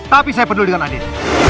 tapi saya peduli dengan adit